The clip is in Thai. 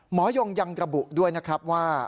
ยงยังระบุด้วยนะครับว่า